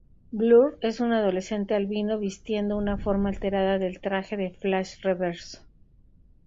Blur es un adolescente albino vistiendo una forma alterada del traje del Flash Reverso.